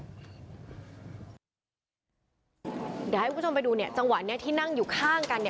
เดี๋ยวให้คุณผู้ชมไปดูจังหวะนี้ที่นั่งอยู่ข้างกัน